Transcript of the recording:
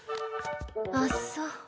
あっそ。